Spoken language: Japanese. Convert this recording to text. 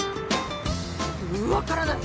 う分からない。